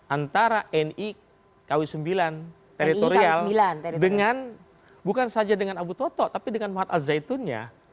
antara nii kw sembilan teritorial dengan bukan saja dengan abu toto tapi dengan mahat al zaitunnya